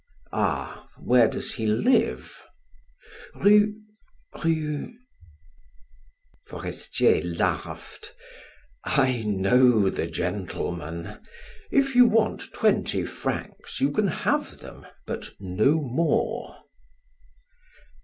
"Ah, where does he live?" "Rue Rue " Forestier laughed. "I know the gentleman! If you want twenty francs you can have them, but no more."